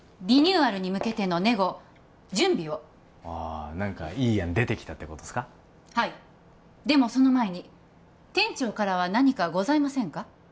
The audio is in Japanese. リニューアルに向けてのネゴ準備をああ何かいい案出てきたってことっすかはいでもその前に店長からは何かございませんか？